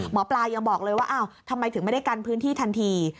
หมอปลายังบอกเลยว่าอ้าวทำไมถึงไม่ได้กันพื้นที่ทันที